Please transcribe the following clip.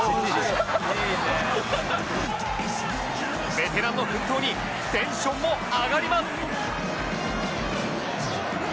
ベテランの奮闘にテンションも上がります！